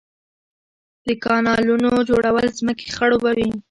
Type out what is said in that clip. د کانالونو جوړول ځمکې خړوبوي